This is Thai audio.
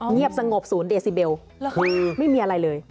เงียบสงบศูนย์เดซิเบลคือไม่มีอะไรเลย